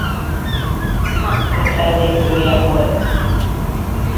Macbeth fellépője volt.